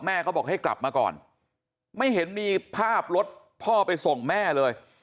เขาบอกให้กลับมาก่อนไม่เห็นมีภาพรถพ่อไปส่งแม่เลย